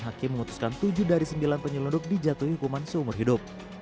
hakim memutuskan tujuh dari sembilan penyelundup dijatuhi hukuman seumur hidup